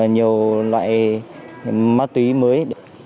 nhiều loại ma túy mới